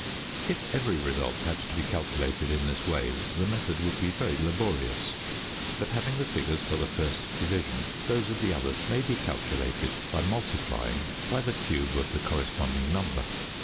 _] If every result had to be calculated in this way the method would be very laborious; but, having the figures for the first division, those of the others may be calculated by multiplying by the cube of the corresponding number.